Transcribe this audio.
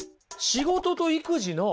仕事と育児の。